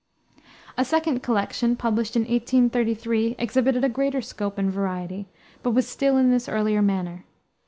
A second collection, published in 1833, exhibited a greater scope and variety, but was still in his earlier manner.